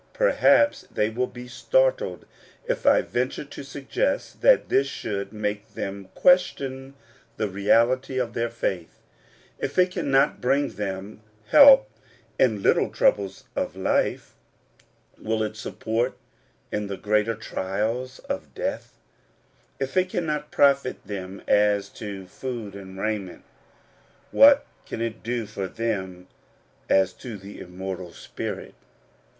Perhaps they will be startled if I venture to suggest that this should make them question the reality of their faith. If it cannot bring them help in little troubles of life, will it support them in the greater trials of death? If it cannot profit them as to food and raiment, what can it do for them as to the immortal spirit?